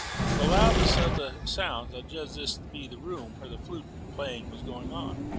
From the loudness of the sounds I judged this to be the room where the flute playing was going on.